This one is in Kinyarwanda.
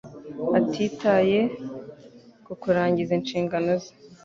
atitaye ku kurangiza inshingano ze.